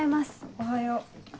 おはよう。